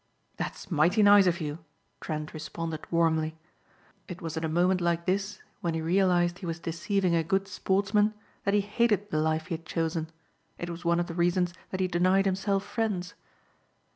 "That's mighty nice of you," Trent responded warmly. It was at a moment like this when he realized he was deceiving a good sportsman that he hated the life he had chosen. It was one of the reasons that he denied himself friends.